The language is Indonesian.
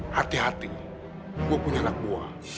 hati hati gue punya anak buah